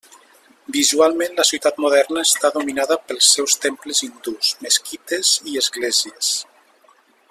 Visualment la ciutat moderna està dominada pels seus temples hindús, mesquites i esglésies.